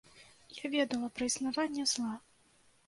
Я ведала пра існаванне зла.